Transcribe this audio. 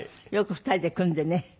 よく２人で組んでね。